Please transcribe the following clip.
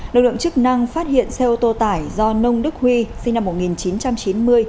lực lượng chức năng phát hiện xe ô tô tải do nông đức huy sinh năm một nghìn chín trăm chín mươi